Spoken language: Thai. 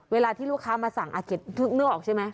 เวลาที่ลูกค้ามาสั่งอ่ะเขียนเรื่องนึกออกใช่ไหม